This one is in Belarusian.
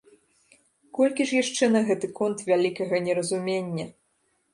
Колькі ж яшчэ на гэты конт вялікага неразумення!